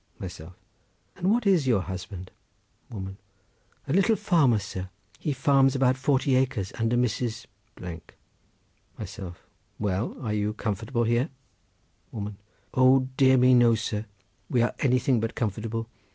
Myself.—And what is your husband? Woman.—A little farmer, sir; he farms about forty acres under Mrs. —. Myself.—Well, are you comfortable here? Woman.—O dear me, no, sir! we are anything but comfortable.